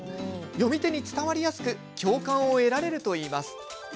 詠み手に伝わりやすく共感を得られるといいます。